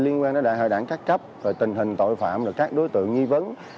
liên quan đến đại hội đảng các cấp tình hình tội phạm các đối tượng nghi vấn